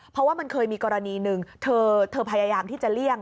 เพราะว่ามันเคยมีกรณีหนึ่งเธอพยายามที่จะเลี่ยง